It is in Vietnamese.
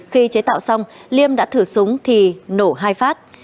khi chế tạo xong liêm đã thử súng thì nổ hai phát